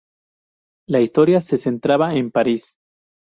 La historia se centraba en París.